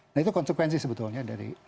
nah itu konsekuensi sebetulnya